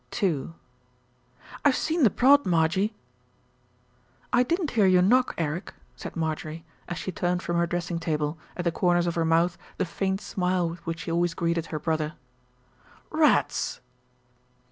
II "I've seen the prod, Marjie." "I didn't hear you knock, Eric," said Marjorie, as 124 THE RETURN OF ALFRED she turned from her dressing table, at the corners of her mouth the faint smile with which she always greeted her brother. "Rats!"